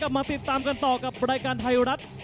มาติดตามกันต่อกับรายการไทยรัฐ